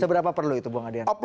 seberapa perlu itu bu